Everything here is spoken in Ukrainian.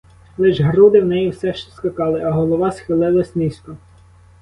Лиш груди в неї все ще скакали, а голова схилилась низько.